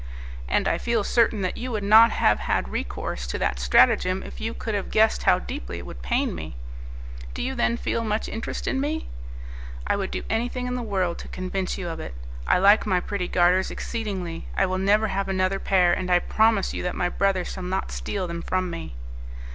"And I feel certain that you would not have had recourse to that stratagem, if you could have guessed how deeply it would pain me." "Do you then feel much interest in me?" "I would do anything in the world to convince you of it. I like my pretty garters exceedingly; I will never have another pair, and I promise you that my brother shall not steal them from me."